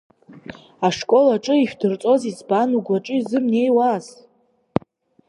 Ашкол аҿы ишәдырҵоз избан угәаҿы изымнеиуаз?